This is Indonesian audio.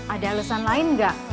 ada alesan lain gak